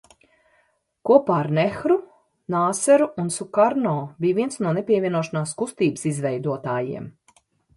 Kopā ar Nehru, Nāseru un Sukarno bija viens no Nepievienošanās kustības izveidotājiem.